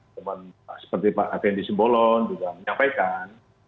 teman teman seperti pak hakem disimbolon juga menyampaikan